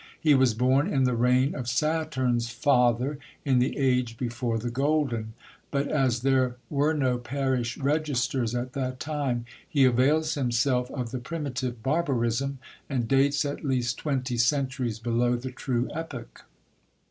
He was born in the reign of Saturn's father, in the age before the golden ; but as there were no parish registers at that time, he avails himself of the primitive barbarism, and dates at least twenty centuries below the true epoch.